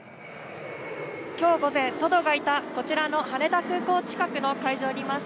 きょう午前、トドがいたこちらの羽田空港近くの海上にいます。